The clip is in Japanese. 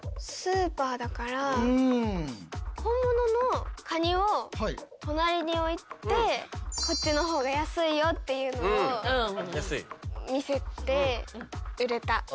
スーパーだから本物のカニを隣に置いてこっちの方が安いよっていうのを見せて売れた。